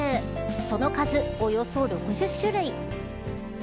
その数、およそ６０種類。